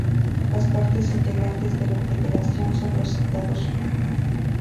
Las partes integrantes de la Federación son los Estados.